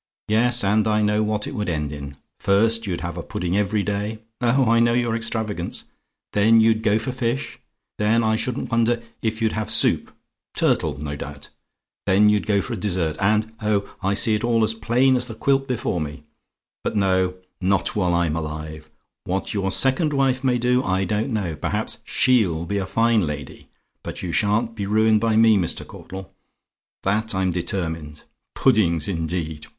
Yes, and I know what it would end in. First, you'd have a pudding every day oh, I know your extravagance then you'd go for fish, then I shouldn't wonder if you'd have soup; turtle, no doubt: then you'd go for a dessert; and oh! I see it all as plain as the quilt before me but no, not while I'm alive! What your second wife may do I don't know; perhaps SHE'LL be a fine lady; but you sha'n't be ruined by me, Mr. Caudle; that I'm determined. Puddings, indeed!